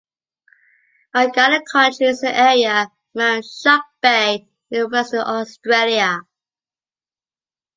Malgana country is the area around Shark Bay in Western Australia.